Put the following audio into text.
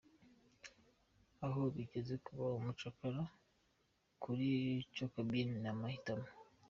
Aho bigeze, kuba umucakara kuri Cocobean ni amahitamo.